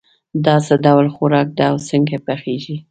دا څه ډول خوراک ده او څنګه پخیږي